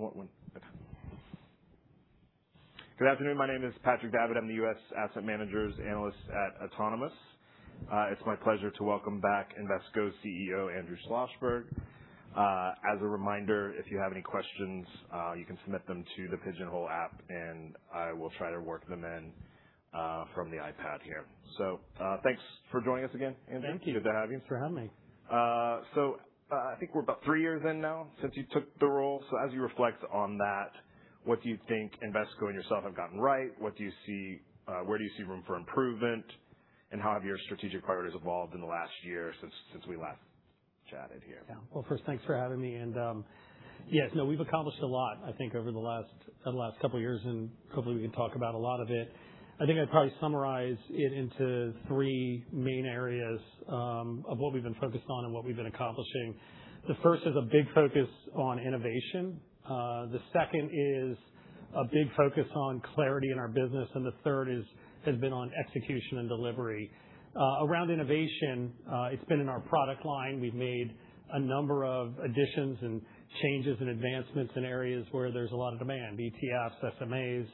Because I was one. Okay. Good afternoon. My name is Patrick Davitt. I'm the U.S. asset managers analyst at Autonomous. It's my pleasure to welcome back Invesco Chief Executive Officer, Andrew Schlossberg. As a reminder, if you have any questions, you can submit them to the Pigeonhole app, and I will try to work them in from the iPad here. Thanks for joining us again, Andrew. Thank you. Good to have you. Thanks for having me. I think we're about three years in now since you took the role. As you reflect on that, what do you think Invesco and yourself have gotten right? Where do you see room for improvement, and how have your strategic priorities evolved in the last year since we last chatted here? Yeah. Well, first, thanks for having me. Yes, no, we've accomplished a lot, I think, over the last couple of years, and hopefully we can talk about a lot of it. I think I'd probably summarize it into three main areas of what we've been focused on and what we've been accomplishing. The first is a big focus on innovation. The second is a big focus on clarity in our business, and the third has been on execution and delivery. Around innovation, it's been in our product line. We've made a number of additions and changes and advancements in areas where there's a lot of demand, ETFs, SMAs,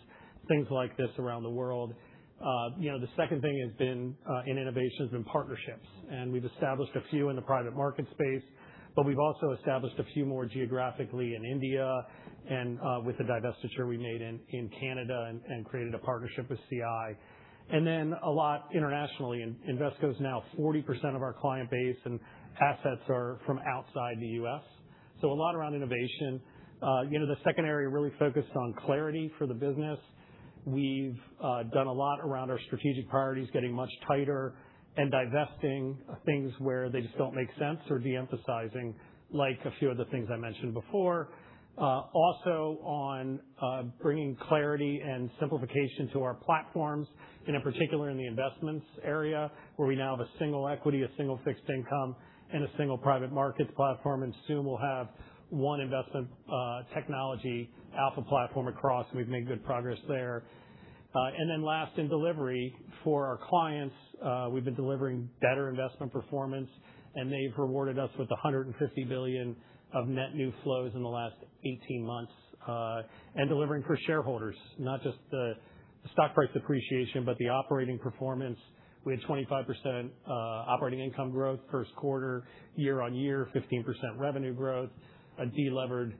things like this around the world. The second thing has been in innovation, has been partnerships, and we've established a few in the private market space, but we've also established a few more geographically in India, and with the divestiture we made in Canada and created a partnership with CI. A lot internationally. Invesco is now 40% of our client base, and assets are from outside the U.S. A lot around innovation. The second area really focused on clarity for the business. We've done a lot around our strategic priorities, getting much tighter and divesting things where they just don't make sense, or de-emphasizing, like a few of the things I mentioned before. On bringing clarity and simplification to our platforms, in particular in the investments area, where we now have a single equity, a single fixed income, and a single private markets platform. Soon we'll have one investment technology Alpha platform across, and we've made good progress there. Last, in delivery for our clients, we've been delivering better investment performance, and they've rewarded us with $150 billion of net new flows in the last 18 months. Delivering for shareholders, not just the stock price appreciation, but the operating performance. We had 25% operating income growth first quarter, year-on-year, 15% revenue growth, a de-levered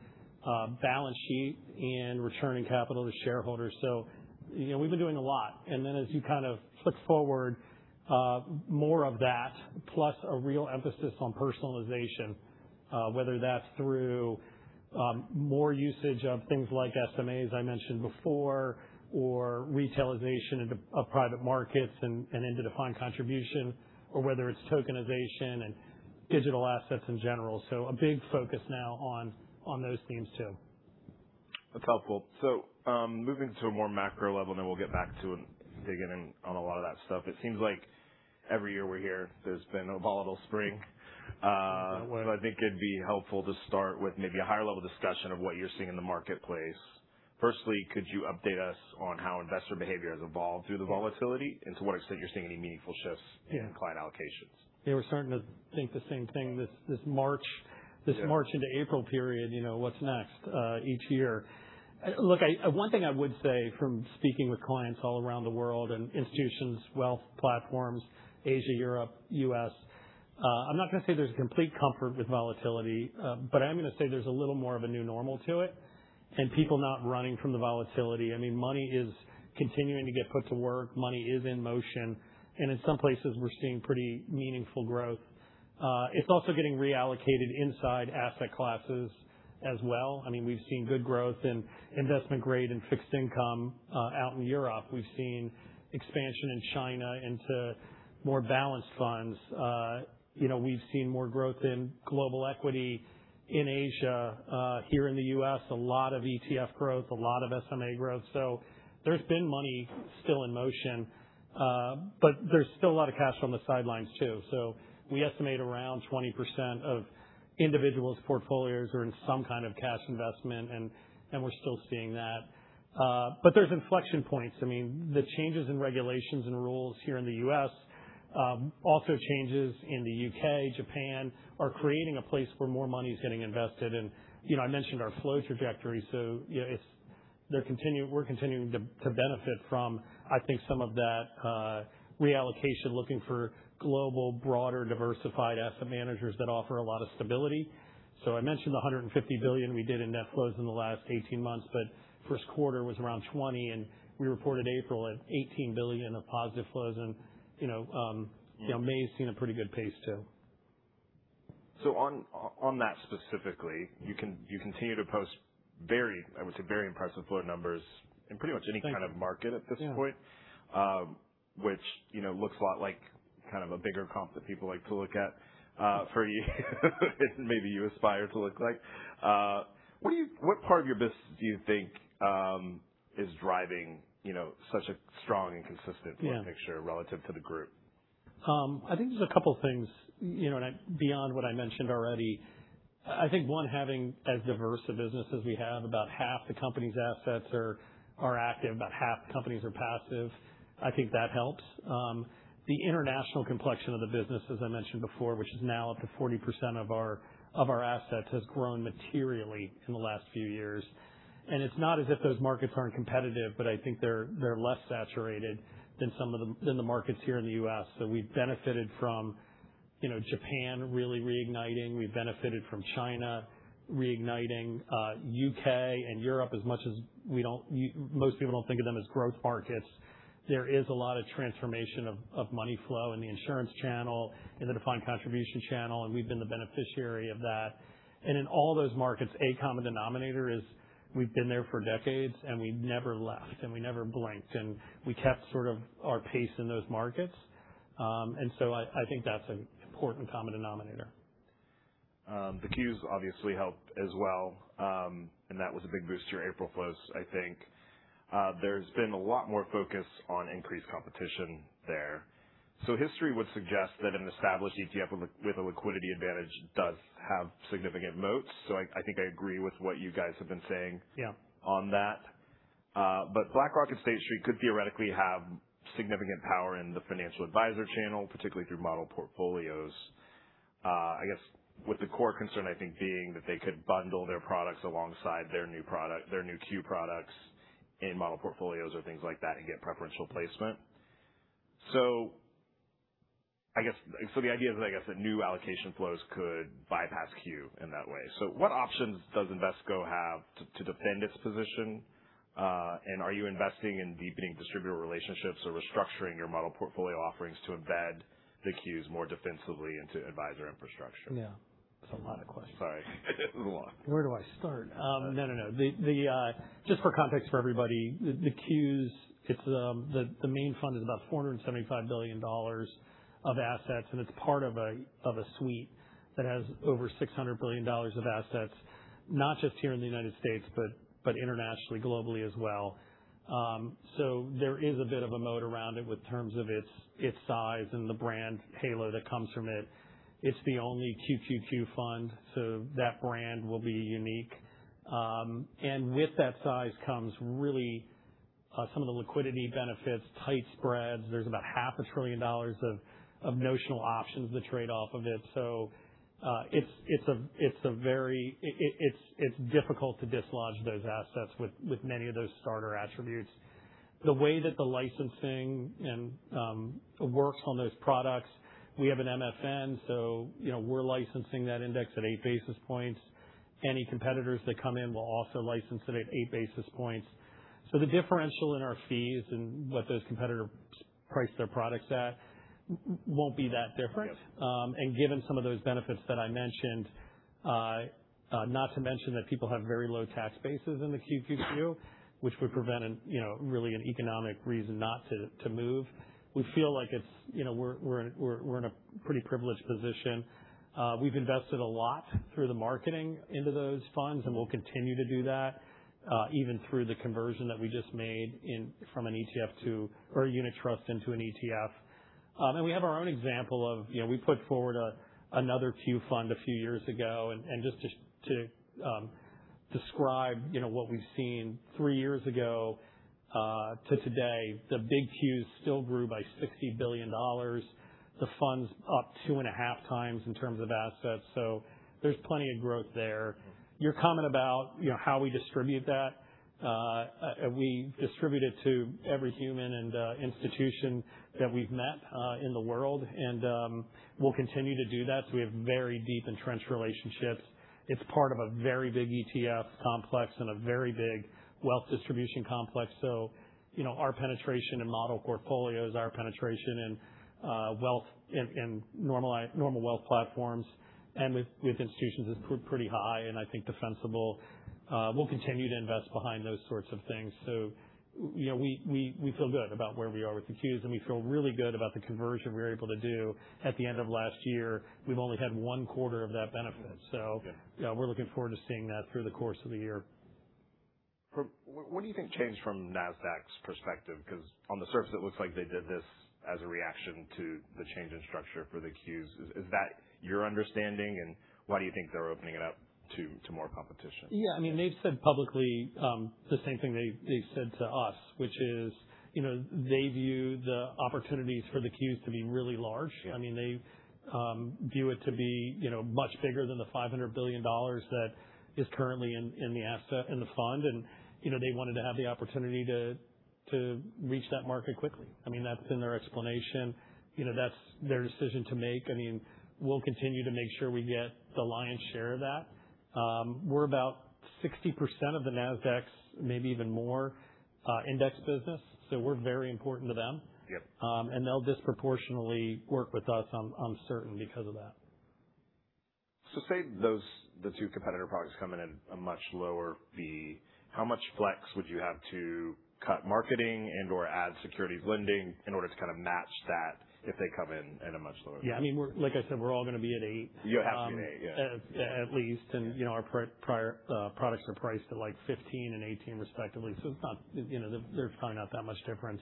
balance sheet, and returning capital to shareholders. We've been doing a lot. As you look forward, more of that, plus a real emphasis on personalization, whether that's through more usage of things like SMAs, I mentioned before, or retailization of private markets and into defined contribution, or whether it's tokenization and digital assets in general. A big focus now on those themes too. That's helpful. Moving to a more macro level, and then we'll get back to digging in on a lot of that stuff. It seems like every year we're here, there's been a volatile spring. That way. I think it'd be helpful to start with maybe a higher level discussion of what you're seeing in the marketplace. Firstly, could you update us on how investor behavior has evolved through the volatility and to what extent you're seeing any meaningful shifts. Yeah In client allocations? Yeah, we're starting to think the same thing, this March- Yeah into April period, what's next, each year. One thing I would say from speaking with clients all around the world and institutions, wealth platforms, Asia, Europe, U.S., I'm not going to say there's complete comfort with volatility, but I am going to say there's a little more of a new normal to it and people not running from the volatility. Money is continuing to get put to work. Money is in motion, and in some places, we're seeing pretty meaningful growth. It's also getting reallocated inside asset classes as well. We've seen good growth in investment grade and fixed income out in Europe. We've seen expansion in China into more balanced funds. We've seen more growth in global equity in Asia. Here in the U.S., a lot of ETF growth, a lot of SMA growth. There's been money still in motion. There's still a lot of cash on the sidelines, too. We estimate around 20% of individuals' portfolios are in some kind of cash investment, and we're still seeing that. There's inflection points. The changes in regulations and rules here in the U.S., also changes in the U.K., Japan, are creating a place where more money's getting invested. I mentioned our flow trajectory, we're continuing to benefit from, I think, some of that reallocation, looking for global, broader, diversified asset managers that offer a lot of stability. I mentioned the $150 billion we did in net flows in the last 18 months, but first quarter was around $20 billion, and we reported April at $18 billion of positive flows. May's seen a pretty good pace, too. On that specifically, you continue to post, I would say, very impressive flow numbers in pretty much any kind of market at this point. Yeah. Which looks a lot like a bigger comp that people like to look at for you and maybe you aspire to look like. What part of your business do you think is driving such a strong and consistent flow picture? Yeah relative to the group? I think there's a couple things, and beyond what I mentioned already. I think, one, having as diverse a business as we have, about half the company's assets are active, about half the company's are passive. I think that helps. The international complexion of the business, as I mentioned before, which is now up to 40% of our assets, has grown materially in the last few years. It's not as if those markets aren't competitive, but I think they're less saturated than the markets here in the U.S. We've benefited from Japan really reigniting. We've benefited from China reigniting. U.K. and Europe, most people don't think of them as growth markets. There is a lot of transformation of money flow in the insurance channel, in the defined contribution channel, and we've been the beneficiary of that. In all those markets, a common denominator is we've been there for decades, and we never left, and we never blinked, and we kept our pace in those markets. I think that's an important common denominator. The Qs obviously helped as well. That was a big boost to your April flows, I think. There's been a lot more focus on increased competition there. History would suggest that an established ETF with a liquidity advantage does have significant moats. I think I agree with what you guys have been saying. Yeah on that. BlackRock and State Street could theoretically have significant power in the financial advisor channel, particularly through model portfolios. I guess with the core concern, I think, being that they could bundle their products alongside their new QQQ products in model portfolios or things like that and get preferential placement. The idea is, I guess, that new allocation flows could bypass QQQ in that way. What options does Invesco have to defend its position? Are you investing in deepening distributor relationships or restructuring your model portfolio offerings to embed the QQQs more defensively into advisor infrastructure? Yeah. That's a lot of questions. Sorry. Go on. Where do I start? No, no. Just for context for everybody, the QQQ, the main fund is about $475 billion of assets, and it's part of a suite that has over $600 billion of assets, not just here in the U.S., but internationally, globally as well. There is a bit of a moat around it in terms of its size and the brand halo that comes from it. It's the only QQQ fund, so that brand will be unique. With that size comes really some of the liquidity benefits, tight spreads. There's about half a trillion dollars of notional options that trade off of it. It's difficult to dislodge those assets with many of those starter attributes. The way that the licensing works on those products, we have an MFN, so we're licensing that index at eight basis points. Any competitors that come in will also license it at eight basis points. The differential in our fees and what those competitors price their products at won't be that different. Yep. Given some of those benefits that I mentioned, not to mention that people have very low tax bases in the QQQ, which would prevent really an economic reason not to move, we feel like we're in a pretty privileged position. We've invested a lot through the marketing into those funds, and we'll continue to do that, even through the conversion that we just made from a unit trust into an ETF. We have our own example of, we put forward another Q fund a few years ago. Just to describe what we've seen, three years ago to today, the big Qs still grew by $60 billion. The fund's up two and a half times in terms of assets. There's plenty of growth there. Your comment about how we distribute that, we distribute it to every human and institution that we've met in the world, and we'll continue to do that. We have very deep entrenched relationships. It's part of a very big ETF complex and a very big wealth distribution complex. Our penetration in model portfolios, our penetration in normal wealth platforms and with institutions is pretty high and I think defensible. We'll continue to invest behind those sorts of things. We feel good about where we are with the Qs, and we feel really good about the conversion we were able to do at the end of last year. We've only had one quarter of that benefit. Okay. We're looking forward to seeing that through the course of the year. What do you think changed from Nasdaq's perspective? Because on the surface, it looks like they did this as a reaction to the change in structure for the Qs. Is that your understanding? Why do you think they're opening it up to more competition? Yeah. They've said publicly the same thing they've said to us, which is, they view the opportunities for the Qs to be really large. Yeah. They view it to be much bigger than the $500 billion that is currently in the fund, and they wanted to have the opportunity to reach that market quickly. That's been their explanation. That's their decision to make. We'll continue to make sure we get the lion's share of that. We're about 60% of the Nasdaq's, maybe even more, index business, so we're very important to them. Yep. They'll disproportionately work with us, I'm certain, because of that. Say the two competitor products come in at a much lower fee. How much flex would you have to cut marketing and/or add securities lending in order to kind of match that if they come in at a much lower fee? Yeah. Like I said, we're all going to be at eight. You have to be at eight, yeah. At least. Our products are priced at $15 and $18 respectively, so there's probably not that much difference.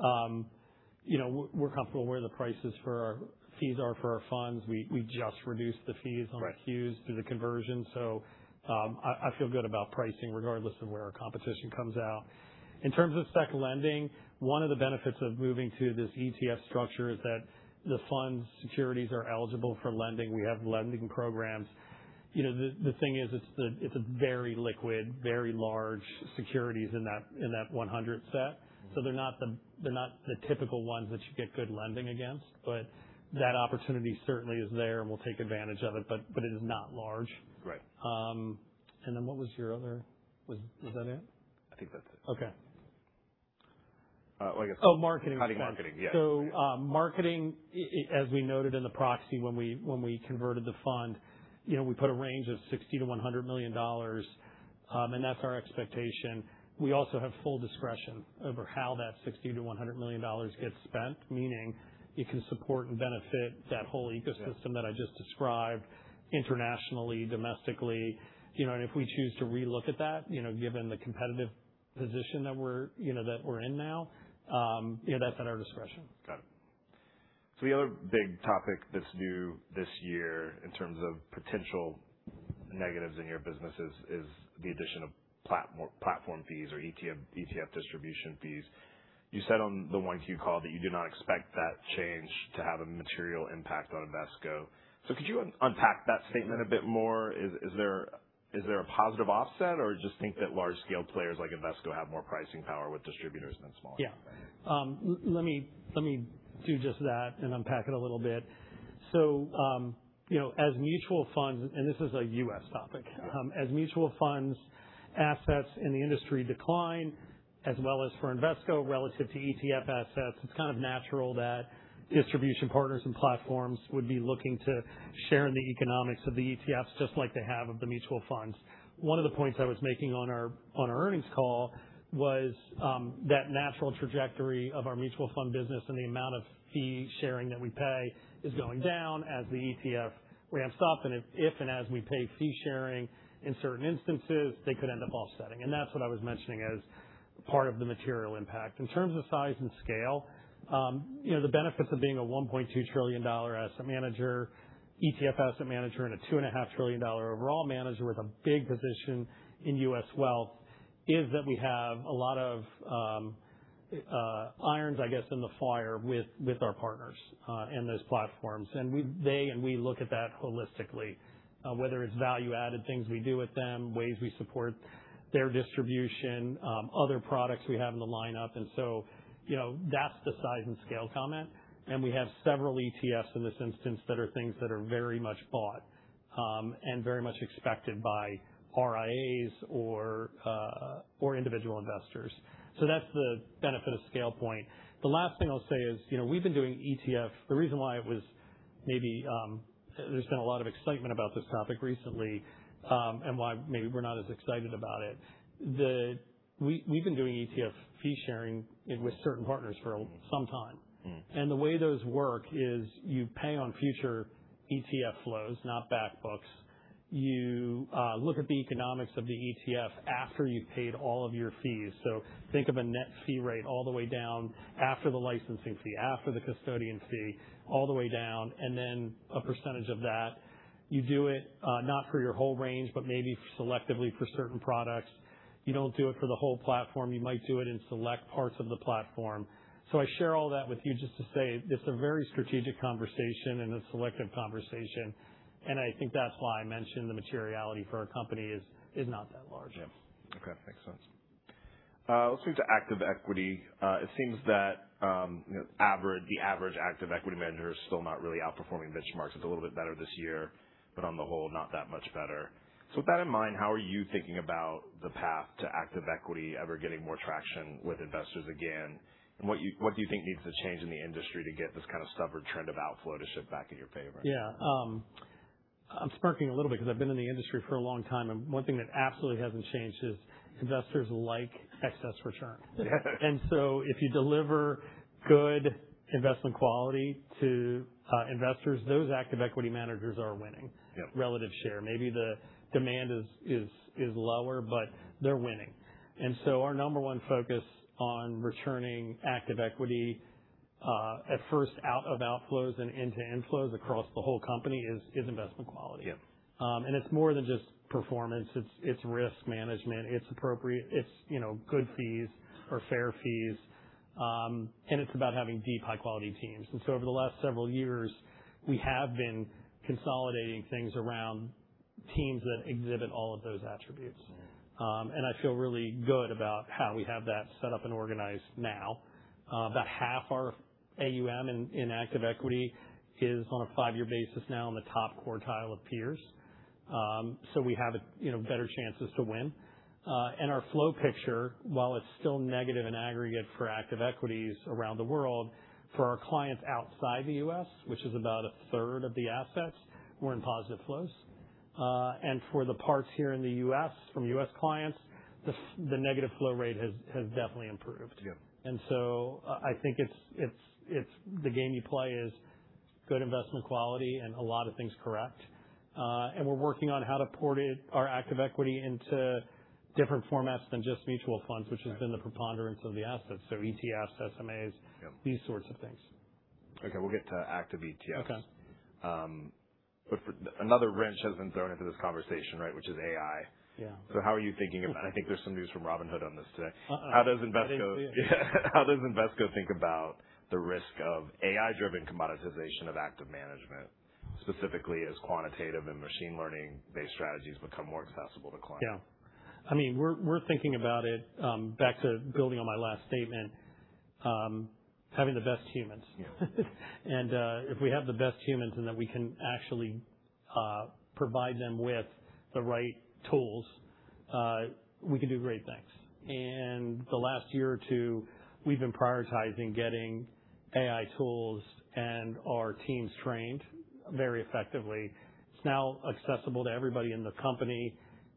We're comfortable where the prices for our fees are for our funds. We just reduced the fees on the- Right Qs through the conversion. I feel good about pricing regardless of where our competition comes out. In terms of sec lending, one of the benefits of moving to this ETF structure is that the fund's securities are eligible for lending. We have lending programs. The thing is, it's a very liquid, very large securities in that 100 set. They're not the typical ones that you get good lending against. That opportunity certainly is there, and we'll take advantage of it. It is not large. Right. What was your other, Was that it? I think that's it. Okay. I guess- Oh, marketing. Yeah. Marketing, as we noted in the proxy, when we converted the fund, we put a range of $60 million-$100 million, and that's our expectation. We also have full discretion over how that $60 million-$100 million gets spent, meaning it can support and benefit that whole ecosystem that I just described internationally, domestically. If we choose to re-look at that, given the competitive position that we're in now, that's at our discretion. Got it. The other big topic that's new this year in terms of potential negatives in your business is the addition of platform fees or ETF distribution fees. You said on the 1Q call that you do not expect that change to have a material impact on Invesco. Could you unpack that statement a bit more? Is there a positive offset, or just think that large-scale players like Invesco have more pricing power with distributors than smaller players? Yeah. Let me do just that and unpack it a little bit. As mutual funds, and this is a U.S. topic. Yeah. As mutual funds assets in the industry decline, as well as for Invesco relative to ETF assets, it's kind of natural that distribution partners and platforms would be looking to share in the economics of the ETFs, just like they have of the mutual funds. One of the points I was making on our earnings call was that natural trajectory of our mutual fund business and the amount of fee sharing that we pay is going down as the ETF ramps up. If and as we pay fee sharing in certain instances, they could end up offsetting. That's what I was mentioning as part of the material impact. In terms of size and scale, the benefits of being a $1.2 trillion asset manager, ETF asset manager, and a $2.5 trillion overall manager with a big position in U.S. wealth is that we have a lot of irons, I guess, in the fire with our partners in those platforms. They and we look at that holistically, whether it's value-added things we do with them, ways we support their distribution, other products we have in the lineup. That's the size and scale comment. We have several ETFs in this instance that are things that are very much bought and very much expected by RIAs or individual investors. So that's the benefit of scale point. The last thing I'll say is we've been doing ETF. The reason why there's been a lot of excitement about this topic recently and why maybe we're not as excited about it. We've been doing ETF fee sharing with certain partners for some time. The way those work is you pay on future ETF flows, not back books. You look at the economics of the ETF after you've paid all of your fees. Think of a net fee rate all the way down after the licensing fee, after the custodian fee, all the way down, and then a percentage of that. You do it not for your whole range, but maybe selectively for certain products. You don't do it for the whole platform. You might do it in select parts of the platform. I share all that with you just to say it's a very strategic conversation and a selective conversation, and I think that's why I mentioned the materiality for our company is not that large. Yeah. Okay. Makes sense. Let's move to active equity. It seems that the average active equity manager is still not really outperforming benchmarks. It's a little bit better this year, but on the whole, not that much better. With that in mind, how are you thinking about the path to active equity ever getting more traction with investors again, and what do you think needs to change in the industry to get this kind of stubborn trend of outflow to shift back in your favor? Yeah. I'm smirking a little bit because I've been in the industry for a long time, and one thing that absolutely hasn't changed is investors like excess returns. Yeah. If you deliver good investment quality to investors, those active equity managers are winning. Yeah relative share. Maybe the demand is lower, but they're winning. Our number one focus on returning active equity, at first out of outflows and into inflows across the whole company, is investment quality. Yeah. It's more than just performance. It's risk management. It's appropriate. It's good fees or fair fees. It's about having deep, high-quality teams. Over the last several years, we have been consolidating things around teams that exhibit all of those attributes. I feel really good about how we have that set up and organized now. About half our AUM in active equity is on a five-year basis now in the top quartile of peers. We have better chances to win. Our flow picture, while it's still negative in aggregate for active equities around the world, for our clients outside the U.S., which is about a third of the assets, we're in positive flows. For the parts here in the U.S., from U.S. clients, the negative flow rate has definitely improved. Yeah. I think the game you play is good investment quality and a lot of things correct. We're working on how to port our active equity into different formats than just mutual funds, which has been the preponderance of the assets. ETFs, SMAs. Yeah these sorts of things. Okay, we'll get to active ETFs. Okay. Another wrench has been thrown into this conversation, which is AI. Yeah. how are you thinking I think there's some news from Robinhood on this today. Uh-uh. How does Invesco- I think, yeah. How does Invesco think about the risk of AI-driven commoditization of active management, specifically as quantitative and machine learning-based strategies become more accessible to clients? Yeah. We're thinking about it, back to building on my last statement, having the best humans. Yeah. If we have the best humans, and then we can actually provide them with the right tools, we can do great things. The last year or two, we've been prioritizing getting AI tools and our teams trained very effectively. It's now accessible to everybody in the company.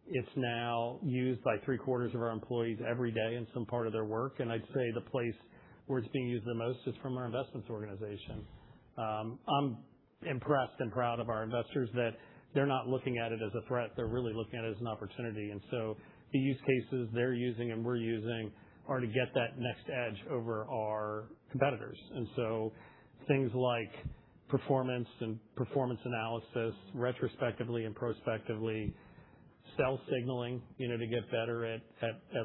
It's now used by three-quarters of our employees every day in some part of their work. I'd say the place where it's being used the most is from our investments organization. I'm impressed and proud of our investors that they're not looking at it as a threat. They're really looking at it as an opportunity. The use cases they're using and we're using are to get that next edge over our competitors. Things like performance and performance analysis, retrospectively and prospectively, sell signaling to get better at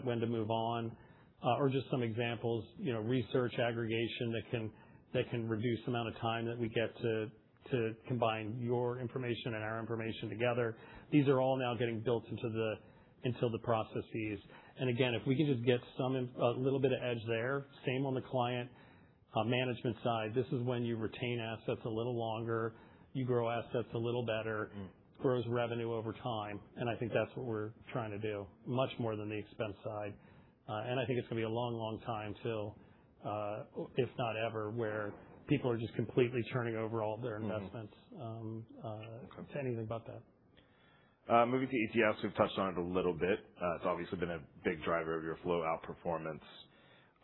when to move on. Just some examples, research aggregation that can reduce the amount of time that we get to combine your information and our information together. These are all now getting built into the processes. Again, if we can just get a little bit of edge there, same on the client management side, this is when you retain assets a little longer, you grow assets a little better. grows revenue over time. I think that's what we're trying to do much more than the expense side. I think it's going to be a long time till, if not ever, where people are just completely turning over all of their investments. Anything about that. Moving to ETFs, we've touched on it a little bit. It's obviously been a big driver of your flow outperformance.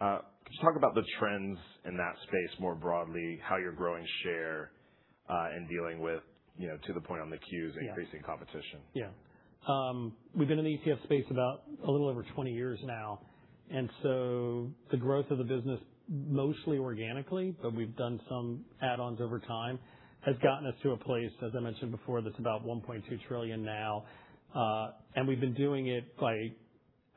Could you talk about the trends in that space more broadly, how you're growing share, and dealing with, to the point on the QQQ. Yeah increasing competition? Yeah. We've been in the ETF space about a little over 20 years now. The growth of the business, mostly organically, but we've done some add-ons over time, has gotten us to a place, as I mentioned before, that's about $1.2 trillion now. We've been doing it by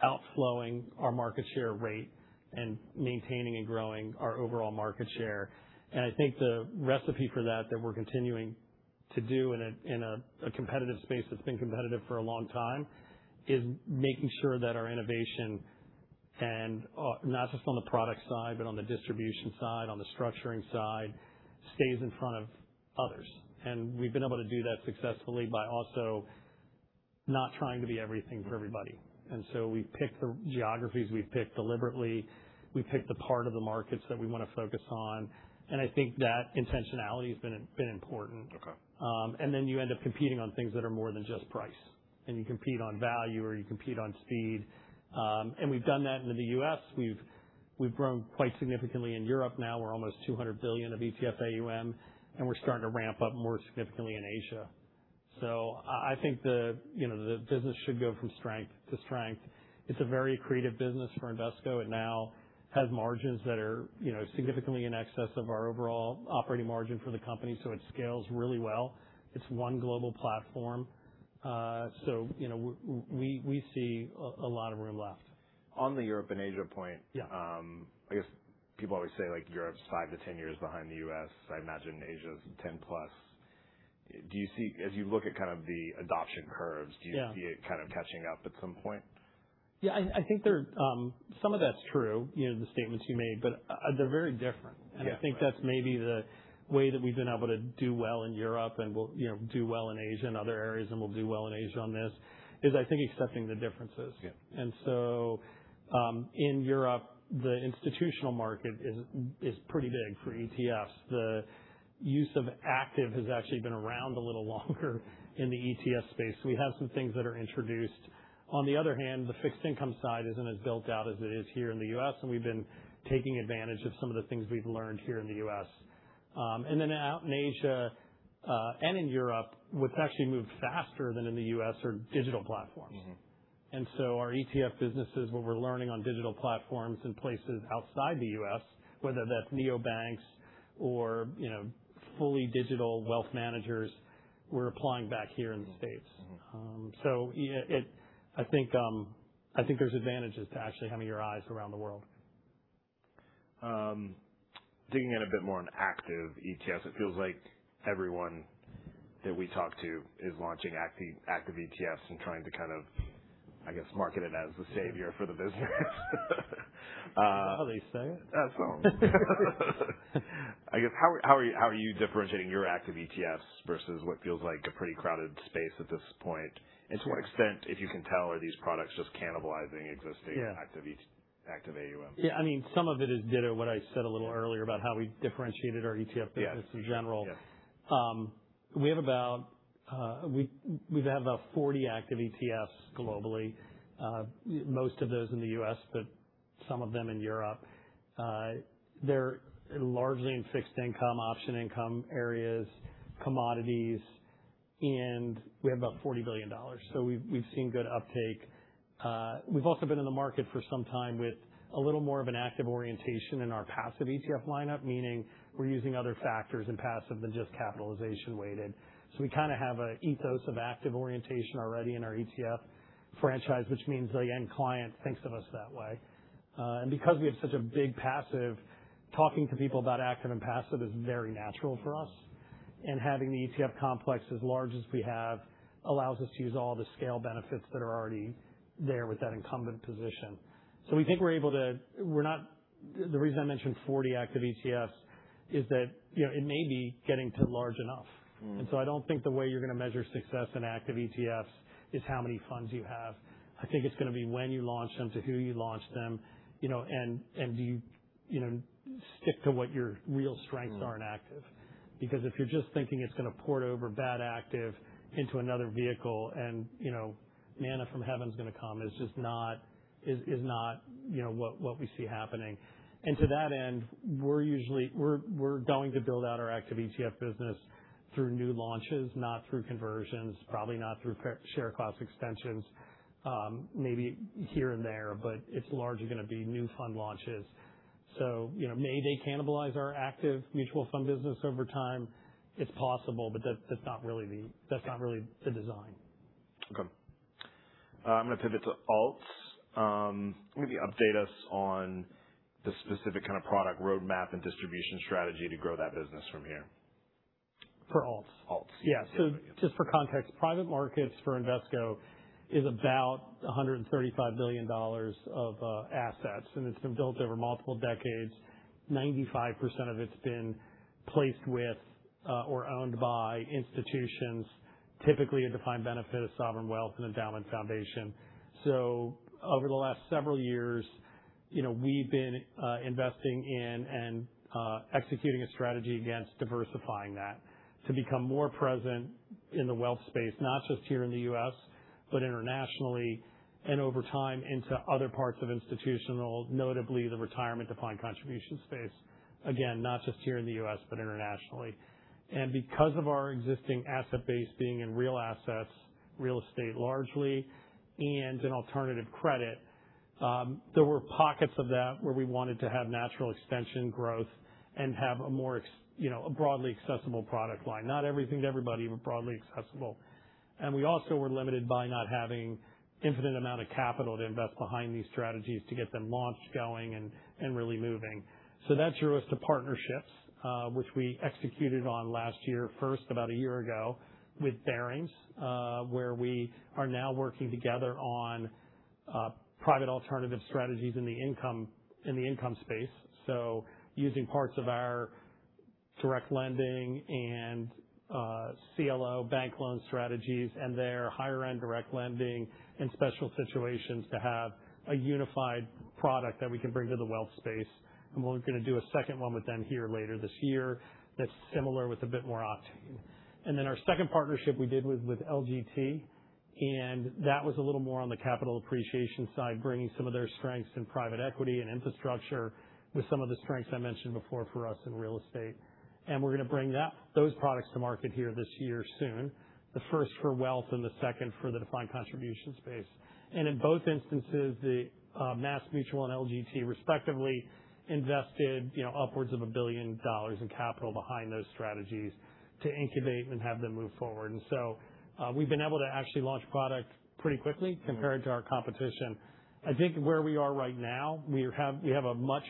outgrowing our market share rate and maintaining and growing our overall market share. I think the recipe for that we're continuing to do in a competitive space that's been competitive for a long time, is making sure that our innovation, and not just on the product side, but on the distribution side, on the structuring side, stays in front of others. We've been able to do that successfully by also not trying to be everything for everybody. We've picked the geographies we've picked deliberately. We've picked the part of the markets that we want to focus on, and I think that intentionality has been important. Okay. You end up competing on things that are more than just price, and you compete on value, or you compete on speed. We've done that in the U.S. We've grown quite significantly in Europe now. We're almost $200 billion of ETF AUM, and we're starting to ramp up more significantly in Asia. I think the business should go from strength to strength. It's a very accretive business for Invesco. It now has margins that are significantly in excess of our overall operating margin for the company, so it scales really well. It's one global platform. We see a lot of room left. On the Europe and Asia point. Yeah I guess people always say Europe's five to 10 years behind the U.S. I imagine Asia's 10 years+. Yeah Do you see it catching up at some point? Yeah. I think some of that's true, the statements you made, but they're very different. Yeah. Right. I think that's maybe the way that we've been able to do well in Europe and do well in Asia and other areas, and we'll do well in Asia on this, is, I think, accepting the differences. Yeah. In Europe, the institutional market is pretty big for ETFs. The use of active has actually been around a little longer in the ETF space. We have some things that are introduced. On the other hand, the fixed income side isn't as built out as it is here in the U.S., and we've been taking advantage of some of the things we've learned here in the U.S. Out in Asia, and in Europe, what's actually moved faster than in the U.S. are digital platforms. Our ETF business is what we're learning on digital platforms in places outside the U.S., whether that's neobanks or fully digital wealth managers, we're applying back here in the States. I think there's advantages to actually having your eyes around the world. Digging in a bit more on active ETFs, it feels like everyone that we talk to is launching active ETFs and trying to, I guess, market it as the savior for the business. Is that how they say it? I guess, how are you differentiating your active ETFs versus what feels like a pretty crowded space at this point? To what extent, if you can tell, are these products just cannibalizing existing- Yeah active AUM? Yeah. Some of it is what I said a little earlier about how we differentiated our ETF business- Yeah in general. Yeah. We have about 40 active ETFs globally. Most of those in the U.S., but some of them in Europe. They're largely in fixed income, option income areas, commodities, and we have about $40 billion. We've seen good uptake. We've also been in the market for some time with a little more of an active orientation in our passive ETF lineup, meaning we're using other factors in passive than just capitalization weighted. We have an ethos of active orientation already in our ETF franchise, which means the end client thinks of us that way. Because we have such a big passive, talking to people about active and passive is very natural for us. Having the ETF complex as large as we have allows us to use all the scale benefits that are already there with that incumbent position. The reason I mentioned 40 active ETFs is that it may be getting to large enough. I don't think the way you're going to measure success in active ETFs is how many funds you have. I think it's going to be when you launch them, to who you launch them, and do you stick to what your real strengths are in active. If you're just thinking it's going to port over bad active into another vehicle and manna from heaven's going to come, is not what we see happening. To that end, we're going to build out our active ETF business through new launches, not through conversions, probably not through share class extensions. Maybe here and there, but it's largely going to be new fund launches. May they cannibalize our active mutual fund business over time? It's possible, but that's not really the design. Okay. I'm going to pivot to alts. Maybe update us on the specific kind of product roadmap and distribution strategy to grow that business from here. For alts? Alts. Yeah. Just for context, private markets for Invesco is about $135 billion of assets, and it's been built over multiple decades. 95% of it's been placed with, or owned by institutions, typically a defined benefit of sovereign wealth and endowment foundation. Over the last several years, we've been investing in and executing a strategy against diversifying that to become more present in the wealth space, not just here in the U.S., but internationally, and over time into other parts of institutional, notably the retirement defined contribution space. Again, not just here in the U.S., but internationally. Because of our existing asset base being in real assets, real estate largely, and in alternative credit, there were pockets of that where we wanted to have natural extension growth and have a more broadly accessible product line. Not everything to everybody, but broadly accessible. We also were limited by not having infinite amount of capital to invest behind these strategies to get them launched, going, and really moving. That drew us to partnerships, which we executed on last year, first about a year ago with Barings, where we are now working together on private alternative strategies in the income space. Using parts of our direct lending and CLO bank loan strategies and their higher-end direct lending in special situations to have a unified product that we can bring to the wealth space. We are going to do a second one with them here later this year that is similar with a bit more octane. Our second partnership we did was with LGT, and that was a little more on the capital appreciation side, bringing some of their strengths in private equity and infrastructure with some of the strengths I mentioned before for us in real estate. We're going to bring those products to market here this year soon. The first for wealth and the second for the defined contribution space. In both instances, the MassMutual and LGT respectively invested upwards of $1 billion in capital behind those strategies to incubate and have them move forward. We've been able to actually launch product pretty quickly compared to our competition. I think where we are right now, we have a much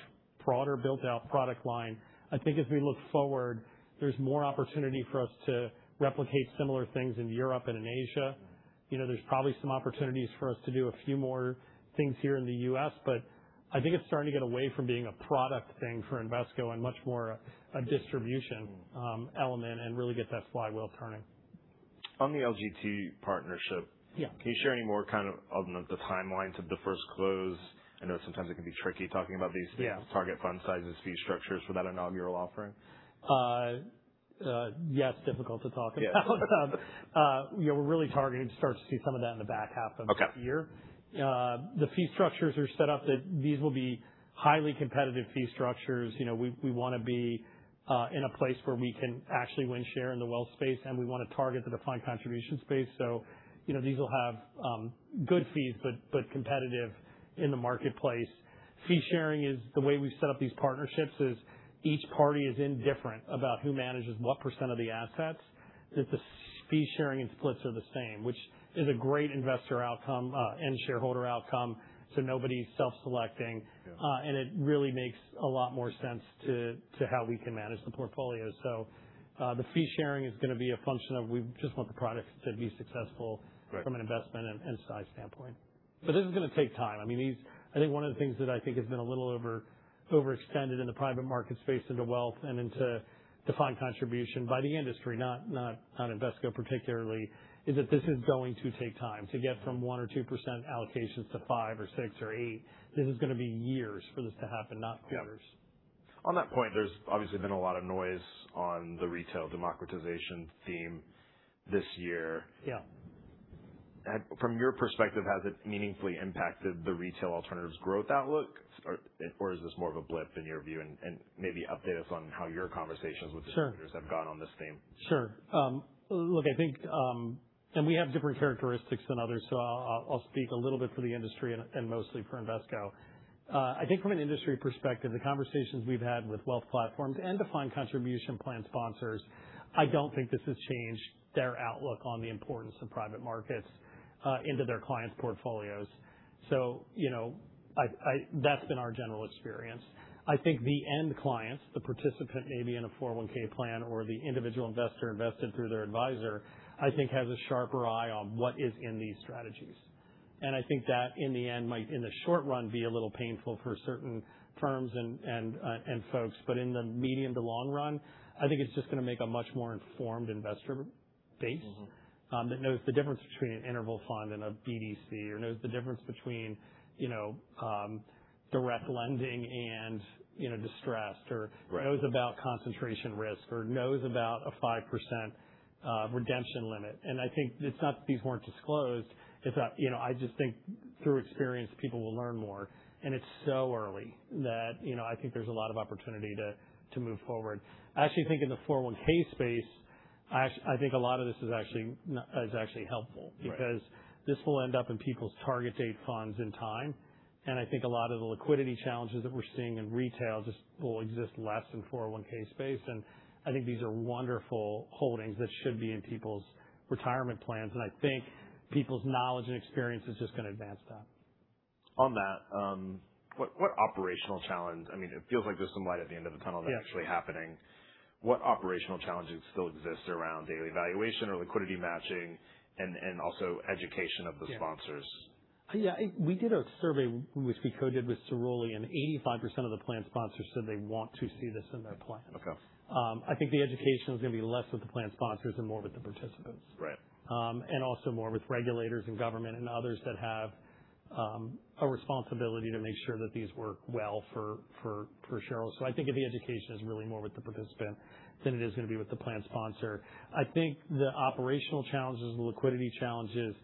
broader built-out product line. I think as we look forward, there's more opportunity for us to replicate similar things in Europe and in Asia. There's probably some opportunities for us to do a few more things here in the U.S., but I think it's starting to get away from being a product thing for Invesco and much more a distribution element, and really get that flywheel turning. On the LGT partnership. Yeah can you share any more of the timelines of the first close? I know sometimes it can be tricky talking about these things. Yeah. Target fund sizes, fee structures for that inaugural offering. Yes, difficult to talk about. Yeah. We're really targeting to start to see some of that in the back half of this year. Okay. The fee structures are set up that these will be highly competitive fee structures. We want to be in a place where we can actually win share in the wealth space, and we want to target the defined contribution space. These will have good fees, but competitive in the marketplace. Fee sharing is the way we've set up these partnerships is each party is indifferent about who manages what percent of the assets, that the fee sharing and splits are the same, which is a great investor outcome, and shareholder outcome. Nobody's self-selecting. Yeah. It really makes a lot more sense to how we can manage the portfolio. The fee sharing is going to be a function of, we just want the product to be successful. Right from an investment and size standpoint. This is going to take time. I think one of the things that I think has been a little overextended in the private markets space into wealth and into defined contribution by the industry, not Invesco particularly, is that this is going to take time. To get from 1% or 2% allocations to 5% or 6% or 8%, this is going to be years for this to happen, not quarters. Yeah. On that point, there's obviously been a lot of noise on the retail democratization theme this year. Yeah. From your perspective, has it meaningfully impacted the retail alternatives growth outlook, or is this more of a blip in your view? Maybe update us on how your conversations with distributors? Sure have gone on this theme. Sure. Look, I think we have different characteristics than others, so I'll speak a little bit for the industry and mostly for Invesco. I think from an industry perspective, the conversations we've had with wealth platforms and defined contribution plan sponsors, I don't think this has changed their outlook on the importance of private markets into their clients' portfolios. That's been our general experience. I think the end clients, the participant maybe in a 401 plan or the individual investor invested through their advisor, I think has a sharper eye on what is in these strategies. I think that, in the end might, in the short run, be a little painful for certain firms and folks. In the medium to long run, I think it's just going to make a much more informed investor base. that knows the difference between an interval fund and a BDC or knows the difference between direct lending and distressed. Right. Knows about concentration risk, or knows about a 5% redemption limit. I think it's not that these weren't disclosed, it's that I just think through experience, people will learn more. It's so early that I think there's a lot of opportunity to move forward. I actually think in the 401 space, I think a lot of this is actually helpful. Right. This will end up in people's target date funds in time. I think a lot of the liquidity challenges that we're seeing in retail just will exist less in 401 space. I think these are wonderful holdings that should be in people's retirement plans. I think people's knowledge and experience is just going to advance that. It feels like there's some light at the end of the tunnel. Yeah actually happening. What operational challenges still exist around daily valuation or liquidity matching and also education of the sponsors? Yeah. We did a survey, which we co-did with Cerulli, and 85% of the plan sponsors said they want to see this in their plan. Okay. I think the education is going to be less with the plan sponsors and more with the participants. Right. Also more with regulators and government and others that have a responsibility to make sure that these work well for shareholders. I think the education is really more with the participant than it is going to be with the plan sponsor. I think the operational challenges, the liquidity challenges,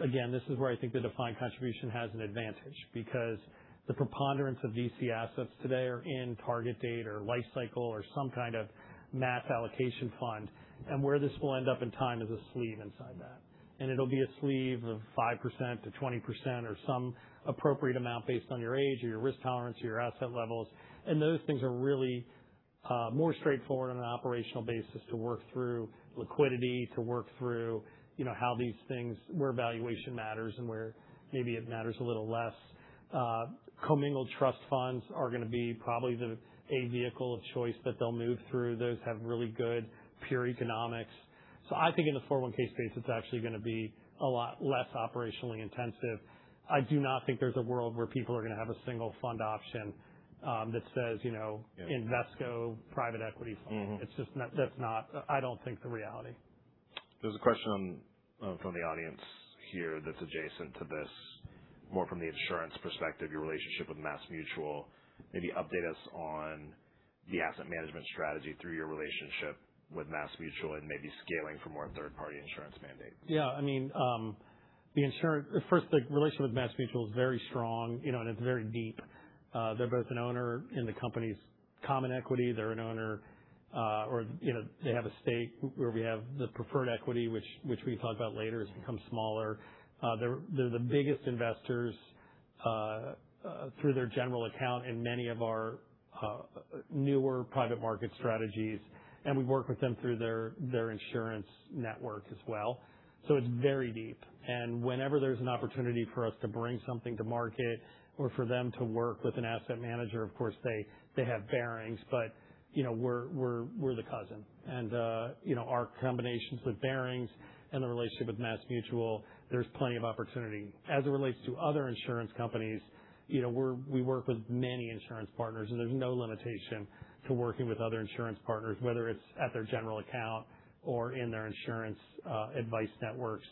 again, this is where I think the defined contribution has an advantage, because the preponderance of DC assets today are in target date or life cycle or some kind of multi-asset allocation fund. Where this will end up in time is a sleeve inside that. It'll be a sleeve of 5%-20% or some appropriate amount based on your age or your risk tolerance or your asset levels. Those things are really more straightforward on an operational basis to work through liquidity, to work through how these things, where valuation matters, and where maybe it matters a little less. Commingled trust funds are going to be probably a vehicle of choice that they'll move through. Those have really good pure economics. I think in the 401(k) space, it's actually going to be a lot less operationally intensive. I do not think there's a world where people are going to have a single fund option that says Invesco private equity fund. That's not, I don't think, the reality. There's a question from the audience here that's adjacent to this, more from the insurance perspective, your relationship with MassMutual. Maybe update us on the asset management strategy through your relationship with MassMutual and maybe scaling for more third-party insurance mandates. First, the relationship with MassMutual is very strong, and it's very deep. They're both an owner in the company's common equity. They're an owner or they have a stake where we have the preferred equity, which we can talk about later, has become smaller. They're the biggest investors through their general account in many of our newer private market strategies, and we work with them through their insurance network as well. It's very deep, and whenever there's an opportunity for us to bring something to market or for them to work with an asset manager, of course, they have Barings, but we're the cousin. Our combinations with Barings and the relationship with MassMutual, there's plenty of opportunity. As it relates to other insurance companies, we work with many insurance partners, and there's no limitation to working with other insurance partners, whether it's at their general account or in their insurance advice networks.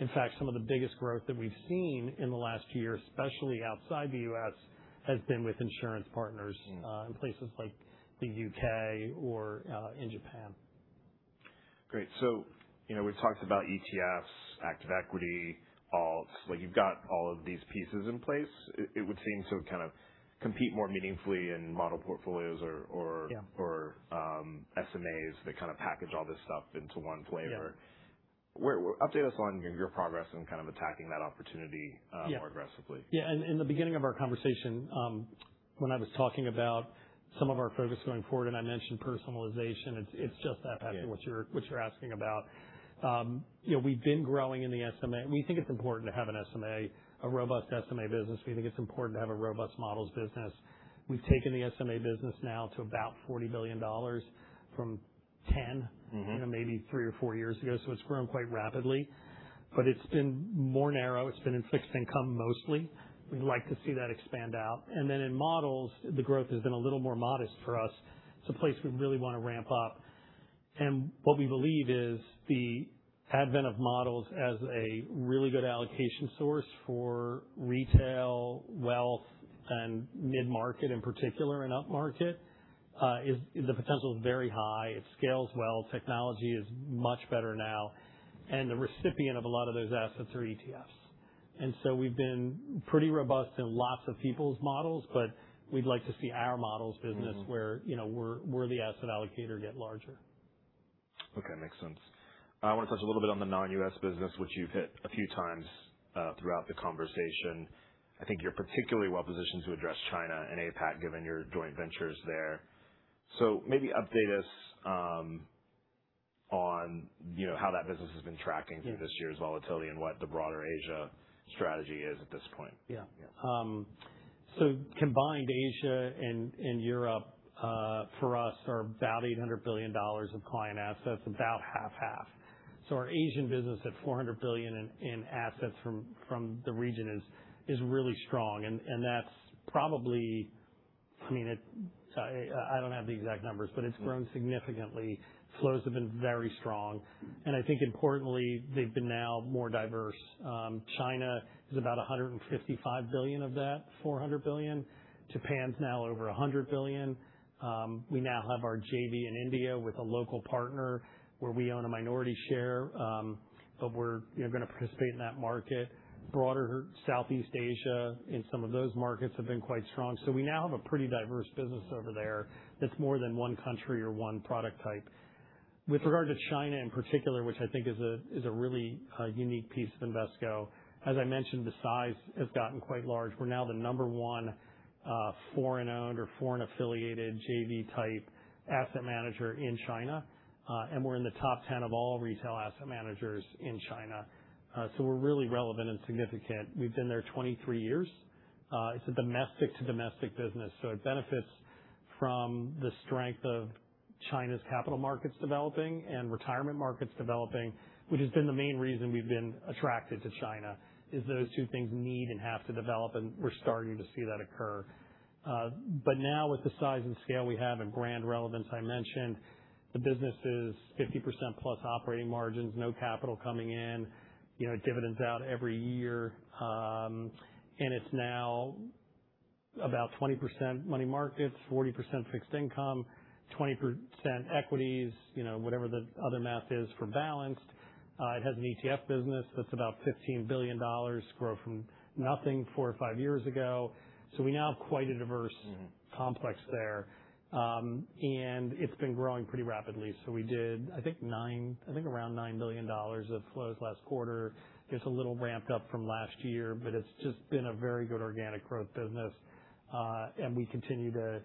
In fact, some of the biggest growth that we've seen in the last year, especially outside the U.S., has been with insurance partners. in places like the U.K. or in Japan. Great. We've talked about ETFs, active equity, alts. You've got all of these pieces in place. It would seem to kind of compete more meaningfully in model portfolios. Yeah SMAs that kind of package all this stuff into one flavor. Yeah. Update us on your progress in kind of attacking that opportunity. Yeah more aggressively. Yeah. In the beginning of our conversation, when I was talking about some of our focus going forward, and I mentioned personalization, it's just that. Yeah Patrick, what you're asking about. We've been growing in the SMA. We think it's important to have an SMA, a robust SMA business. We think it's important to have a robust models business. We've taken the SMA business now to about $40 billion from $10 billion- maybe three or four years ago, so it's grown quite rapidly. It's been more narrow. It's been in fixed income mostly. We'd like to see that expand out. Then in models, the growth has been a little more modest for us. It's a place we really want to ramp up. What we believe is the advent of models as a really good allocation source for retail, wealth, and mid-market in particular, and upmarket. The potential is very high. It scales well. Technology is much better now. The recipient of a lot of those assets are ETFs. We've been pretty robust in lots of people's models, but we'd like to see our models business. where we're the asset allocator, get larger. Okay. Makes sense. I want to touch a little bit on the non-U.S. business, which you've hit a few times throughout the conversation. I think you're particularly well-positioned to address China and APAC, given your joint ventures there. Maybe update us on how that business has been tracking through this year's volatility and what the broader Asia strategy is at this point. Combined Asia and Europe, for us, are about $800 billion of client assets, about half-half. Our Asian business at $400 billion in assets from the region is really strong. That's probably I don't have the exact numbers, but it's grown significantly. Flows have been very strong. I think importantly, they've been now more diverse. China is about $155 billion of that $400 billion. Japan's now over $100 billion. We now have our JV in India with a local partner where we own a minority share, but we're going to participate in that market. Broader Southeast Asia and some of those markets have been quite strong. We now have a pretty diverse business over there that's more than one country or one product type. With regard to China in particular, which I think is a really unique piece of Invesco, as I mentioned, the size has gotten quite large. We're now the number one foreign-owned or foreign-affiliated JV-type asset manager in China. We're in the top 10 of all retail asset managers in China. We're really relevant and significant. We've been there 23 years. It's a domestic-to-domestic business, so it benefits from the strength of China's capital markets developing and retirement markets developing, which has been the main reason we've been attracted to China, is those two things need and have to develop, and we're starting to see that occur. Now with the size and scale we have and brand relevance I mentioned, the business is 50%-plus operating margins, no capital coming in, dividends out every year. It's now about 20% money markets, 40% fixed income, 20% equities, whatever the other math is for balanced. It has an ETF business that's about $15 billion, grow from nothing four or five years ago. We now have quite a diverse complex there. It's been growing pretty rapidly. We did, I think, around $9 billion of flows last quarter. It's a little ramped up from last year, but it's just been a very good organic growth business. We continue to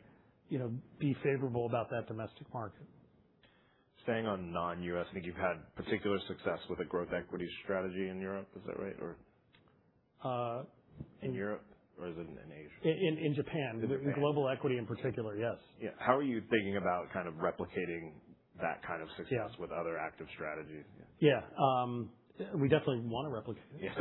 be favorable about that domestic market. Staying on non-U.S., I think you've had particular success with a growth equity strategy in Europe. Is that right? In Europe, or is it in Asia? In Japan. In Japan. Global equity in particular, yes. Yeah. How are you thinking about replicating that kind of success? Yeah with other active strategies? Yeah. We definitely want to replicate. Yeah.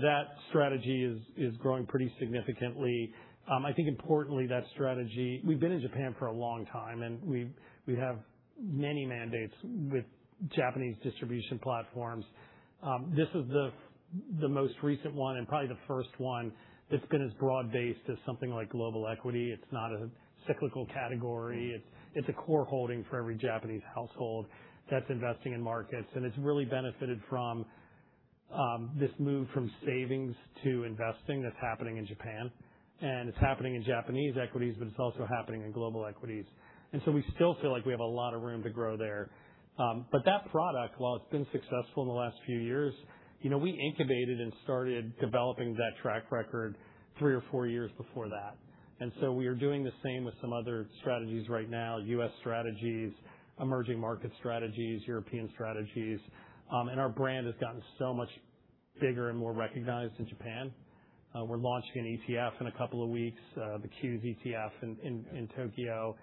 That strategy is growing pretty significantly. I think importantly, that strategy, we've been in Japan for a long time, and we have many mandates with Japanese distribution platforms. This is the most recent one, and probably the first one that's been as broad-based as something like global equity. It's not a cyclical category. It's a core holding for every Japanese household that's investing in markets, and it's really benefited from this move from savings to investing that's happening in Japan. It's happening in Japanese equities, but it's also happening in global equities. We still feel like we have a lot of room to grow there. That product, while it's been successful in the last few years, we incubated and started developing that track record three or four years before that. We are doing the same with some other strategies right now, U.S. strategies, emerging market strategies, European strategies. Our brand has gotten so much bigger and more recognized in Japan. We're launching an ETF in a couple of weeks, the QQQ ETF in Tokyo.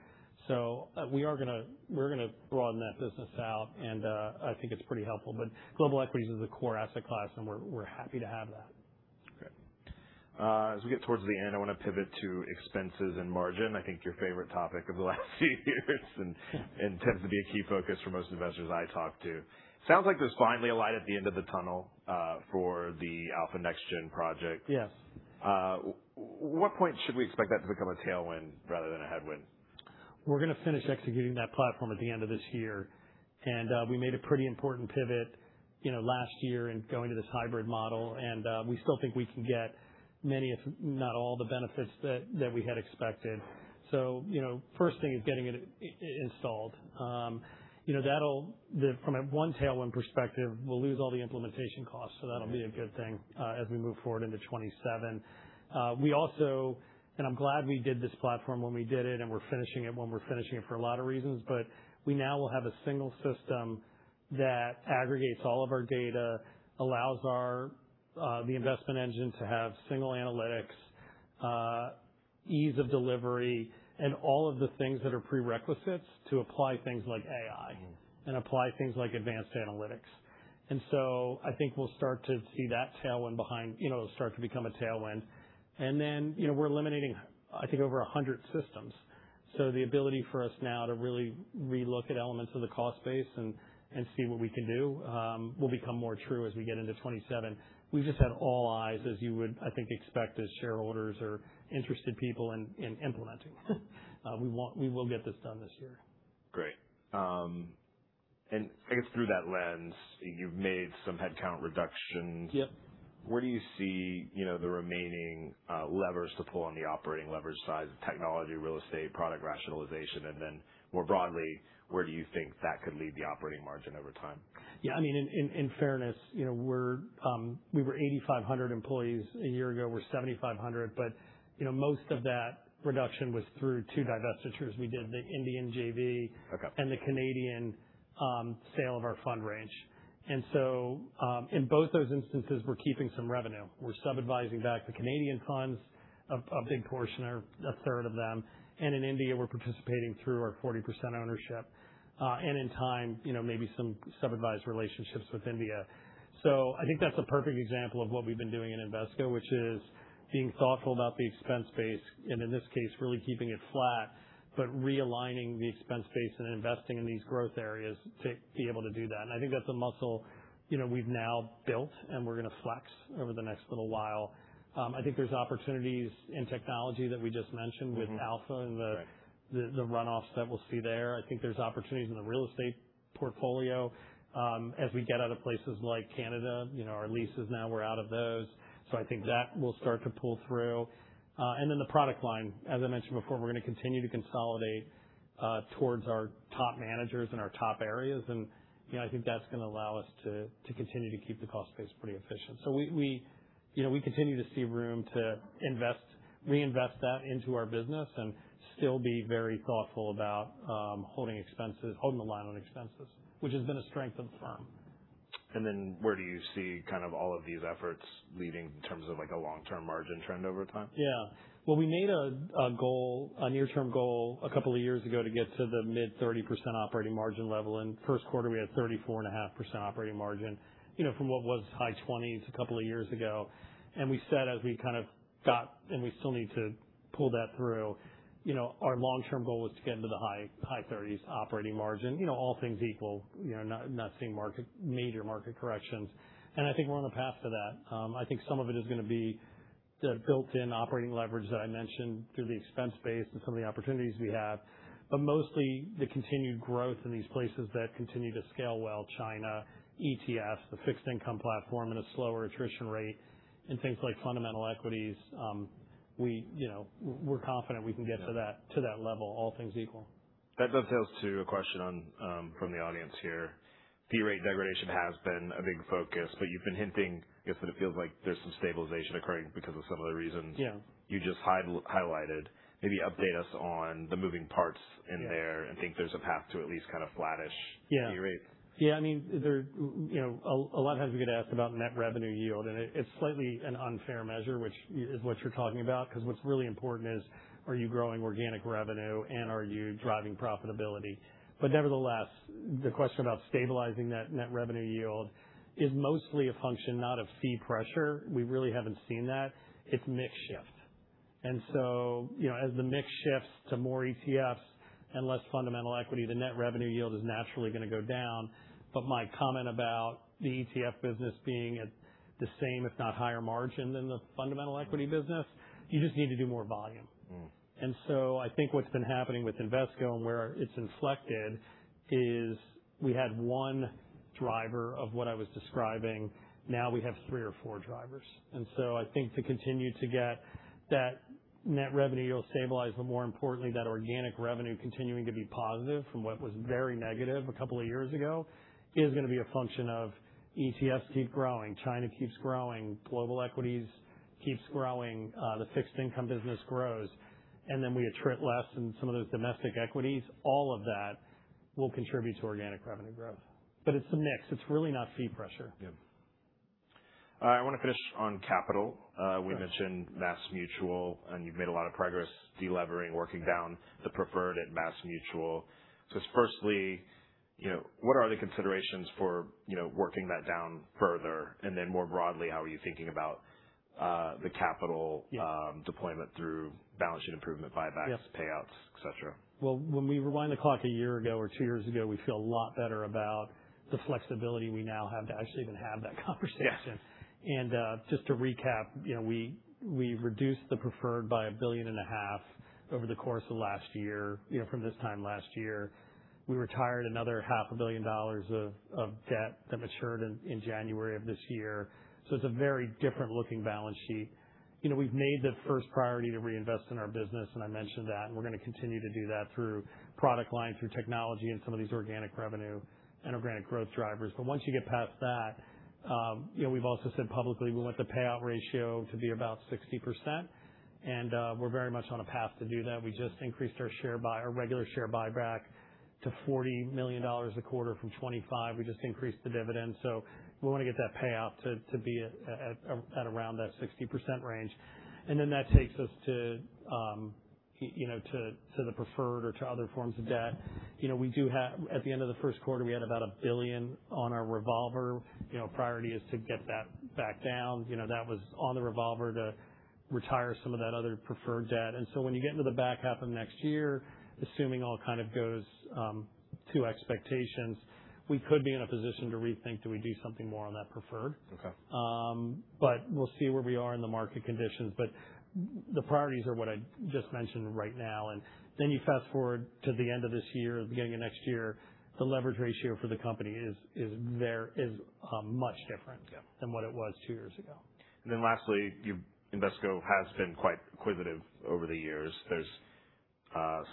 We're going to broaden that business out, and I think it's pretty helpful. Global equities is a core asset class, and we're happy to have that. As we get towards the end, I want to pivot to expenses and margin. I think your favorite topic of the last few years, and tends to be a key focus for most investors I talk to. Sounds like there's finally a light at the end of the tunnel for the Alpha Next Gen project. Yes. What point should we expect that to become a tailwind rather than a headwind? We're going to finish executing that platform at the end of this year. We made a pretty important pivot last year in going to this hybrid model, and we still think we can get many, if not all, the benefits that we had expected. First thing is getting it installed. From a one tailwind perspective, we'll lose all the implementation costs, so that'll be a good thing as we move forward into 2027. We also, I'm glad we did this platform when we did it, we're finishing it when we're finishing it for a lot of reasons, we now will have a single system that aggregates all of our data, allows the investment engine to have single analytics, ease of delivery, and all of the things that are prerequisites to apply things like AI and apply things like advanced analytics. I think we'll start to see that start to become a tailwind. We're eliminating, I think, over 100 systems. The ability for us now to really relook at elements of the cost base and see what we can do will become more true as we get into 2027. We've just had all eyes, as you would, I think, expect as shareholders or interested people in implementing. We will get this done this year. Great. I guess through that lens, you've made some headcount reductions. Yep. Where do you see the remaining levers to pull on the operating leverage side, technology, real estate, product rationalization? More broadly, where do you think that could lead the operating margin over time? Yeah. In fairness, we were 8,500 employees a year ago. We're 7,500 employees. Most of that reduction was through two divestitures. We did the Indian JV- Okay The Canadian sale of our fund range. In both those instances, we're keeping some revenue. We're sub-advising back the Canadian funds, a big portion or 1/3 of them. In India, we're participating through our 40% ownership. In time, maybe some sub-advised relationships with India. I think that's a perfect example of what we've been doing in Invesco, which is being thoughtful about the expense base, and in this case, really keeping it flat, but realigning the expense base and investing in these growth areas to be able to do that. I think that's a muscle we've now built, and we're going to flex over the next little while. I think there's opportunities in technology that we just mentioned with Alpha and the runoffs that we'll see there. I think there's opportunities in the real estate portfolio. As we get out of places like Canada, our leases now we're out of those. I think that will start to pull through. The product line, as I mentioned before, we're going to continue to consolidate towards our top managers and our top areas. I think that's going to allow us to continue to keep the cost base pretty efficient. We continue to see room to reinvest that into our business and still be very thoughtful about holding the line on expenses, which has been a strength of the firm. Where do you see all of these efforts leading in terms of a long-term margin trend over time? Yeah. Well, we made a near-term goal a couple of years ago to get to the mid 30% operating margin level, and first quarter, we had 34.5% operating margin. From what was high 20s a couple of years ago, and we said as we kind of got, and we still need to pull that through. Our long-term goal was to get into the high 30s operating margin, all things equal, not seeing major market corrections. I think we're on the path to that. I think some of it is going to be the built-in operating leverage that I mentioned through the expense base and some of the opportunities we have. Mostly the continued growth in these places that continue to scale well, China, ETFs, the fixed income platform, and a slower attrition rate in things like fundamental equities. We're confident we can get to that level, all things equal. That dovetails to a question from the audience here. Fee rate degradation has been a big focus, you've been hinting, I guess, that it feels like there's some stabilization occurring because of some of the reasons. Yeah you just highlighted. Maybe update us on the moving parts in there and think there's a path to at least kind of flattish fee rate. Yeah. A lot of times we get asked about net revenue yield, and it's slightly an unfair measure, which is what you're talking about, because what's really important is, are you growing organic revenue and are you driving profitability? Nevertheless, the question about stabilizing that net revenue yield is mostly a function not of fee pressure. We really haven't seen that. It's mix shift. As the mix shifts to more ETFs and less fundamental equity, the net revenue yield is naturally going to go down. My comment about the ETF business being at the same, if not higher margin than the fundamental equity business, you just need to do more volume. I think what's been happening with Invesco and where it's inflected is we had one driver of what I was describing. Now we have three or four drivers. I think to continue to get that net revenue yield stabilized, but more importantly, that organic revenue continuing to be positive from what was very negative a couple of years ago, is going to be a function of ETFs keep growing, China keeps growing, global equities keeps growing, the fixed income business grows, and then we attrit less in some of those domestic equities. All of that will contribute to organic revenue growth. It's the mix. It's really not fee pressure. Yeah. I want to finish on capital. We mentioned MassMutual, and you've made a lot of progress delevering, working down the preferred at MassMutual. Firstly, what are the considerations for working that down further? More broadly, how are you thinking about the capital deployment through balance sheet improvement, buybacks, payouts, et cetera? Well, when we rewind the clock a year ago or two years ago, we feel a lot better about the flexibility we now have to actually even have that conversation. Yeah. Just to recap, we reduced the preferred by a $1.5 billion Over the course of last year. From this time last year, we retired another $500 million of debt that matured in January of this year. It's a very different-looking balance sheet. We've made the first priority to reinvest in our business, and I mentioned that, and we're going to continue to do that through product line, through technology, and some of these organic revenue and organic growth drivers. Once you get past that, we've also said publicly we want the payout ratio to be about 60%, and we're very much on a path to do that. We just increased our regular share buyback to $40 million a quarter from $25 million. We just increased the dividend. We want to get that payout to be at around that 60% range. That takes us to the preferred or to other forms of debt. At the end of the first quarter, we had about $1 billion on our revolver. Priority is to get that back down. That was on the revolver to retire some of that other preferred debt. When you get into the back half of next year, assuming all kind of goes to expectations, we could be in a position to rethink, do we do something more on that preferred? Okay. We'll see where we are in the market conditions. The priorities are what I just mentioned right now, and then you fast-forward to the end of this year, the beginning of next year. The leverage ratio for the company is much different. Yeah than what it was two years ago. Lastly, Invesco has been quite acquisitive over the years. There's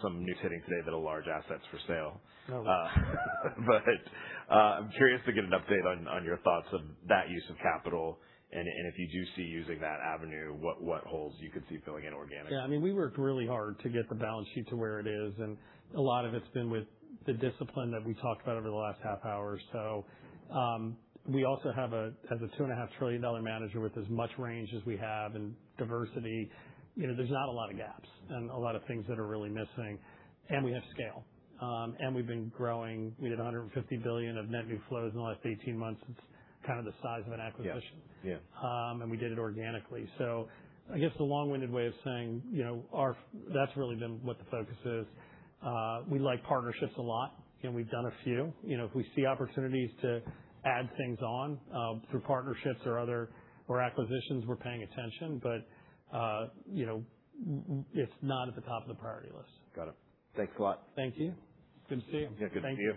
some news hitting today that a large asset's for sale. Oh. I'm curious to get an update on your thoughts of that use of capital, and if you do see using that avenue, what holes you could see filling in organic. Yeah. We worked really hard to get the balance sheet to where it is. A lot of it's been with the discipline that we talked about over the last 30 minutes or so. We also have, as a $2.5 trillion manager with as much range as we have and diversity, there's not a lot of gaps and a lot of things that are really missing. We have scale. We've been growing. We did $150 billion of net new flows in the last 18 months. It's kind of the size of an acquisition. Yeah. We did it organically. I guess the long-winded way of saying, that's really been what the focus is. We like partnerships a lot, and we've done a few. If we see opportunities to add things on through partnerships or acquisitions, we're paying attention. It's not at the top of the priority list. Got it. Thanks a lot. Thank you. Good to see you. Yeah, good to see you.